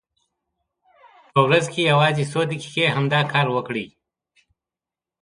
په ورځ کې یوازې څو دقیقې همدا کار وکړئ.